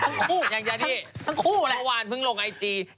ทั้งคู่อย่างนี้ทั้งคู่แหละพอวานเพิ่งลงไอจี